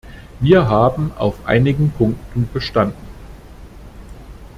Wir haben auf einigen Punkten bestanden.